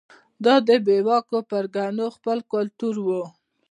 دا د بې واکو پرګنو خپل کلتور و.